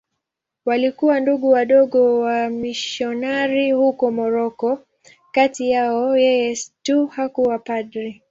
Walikuwa Ndugu Wadogo wamisionari huko Moroko.Kati yao yeye tu hakuwa padri.